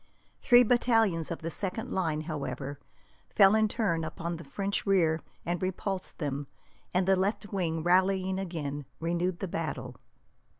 Three battalions of the second line, however, fell in turn upon the French rear and repulsed them, and the left wing, rallying again, renewed the battle.